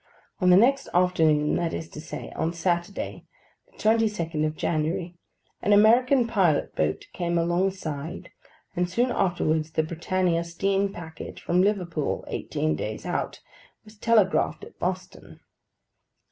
On the next afternoon, that is to say, on Saturday, the twenty second of January, an American pilot boat came alongside, and soon afterwards the Britannia steam packet, from Liverpool, eighteen days out, was telegraphed at Boston.